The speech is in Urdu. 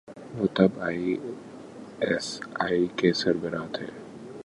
وہ تب آئی ایس آئی کے سربراہ تھے۔